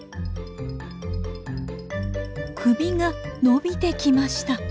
首が伸びてきました！